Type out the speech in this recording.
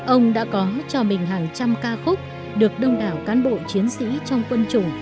ông đã có cho mình hàng trăm ca khúc được đông đảo cán bộ chiến sĩ trong quân chủng